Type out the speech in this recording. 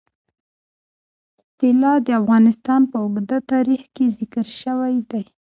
طلا د افغانستان په اوږده تاریخ کې ذکر شوی دی.